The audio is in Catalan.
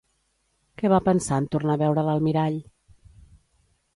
Què va pensar en tornar a veure l'almirall?